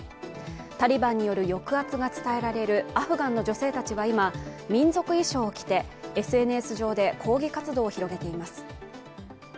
タリバンによる抑圧が伝えられるアフガンの女性たちは今、民族衣装を着てＳＮＳ上で抗議活動を広げています。